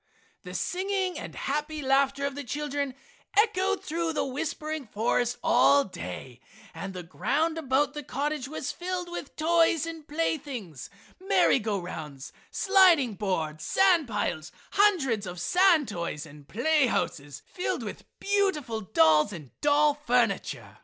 The singing and happy laughter of the children echoed through the whispering forest all day, and the ground about the cottage was filled with toys and playthings, merry go rounds, sliding boards, sand piles, hundreds of sand toys, and play houses filled with beautiful dolls and doll furniture.